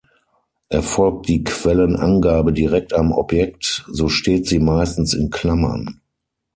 Erfolgt die Quellenangabe direkt am Objekt, so steht sie meistens in Klammern.